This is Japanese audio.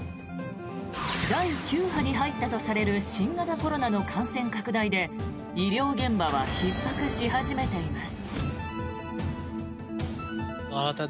第９波に入ったとされる新型コロナの感染拡大で医療現場はひっ迫し始めています。